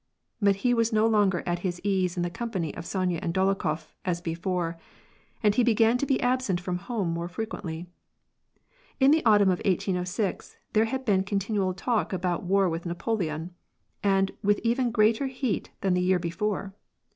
But he was no longer at his ease in the company of Sonya and Dolokhof, as before, and he began to be absent from home more frequently. In the autumn of 1806, there had been continual talk about war with Napoleon, and with even greater heat than the year before.